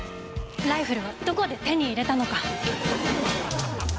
ライフルはどこで手に入れたのか。